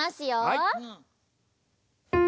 はい。